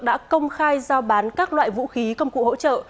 đã công khai giao bán các loại vũ khí công cụ hỗ trợ